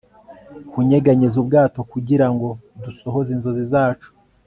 kunyeganyeza ubwato kugirango dusohoze inzozi zacu